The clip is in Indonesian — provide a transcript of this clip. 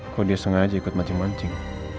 kok dia sengaja ikut mancing mancing